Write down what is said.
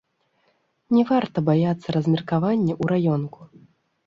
Не варта баяцца размеркавання ў раёнку.